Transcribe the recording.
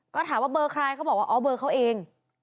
ก็ถามว่าเบอร์ใครเขาบอกว่าอ๋อเบอร์เขาเอง